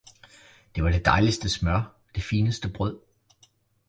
Der var det dejligste smør, det fineste brød